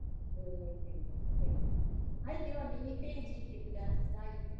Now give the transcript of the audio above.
He was the oldest son of Samsenethai.